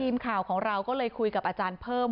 ทีมข่าวของเราก็เลยคุยกับอาจารย์เพิ่ม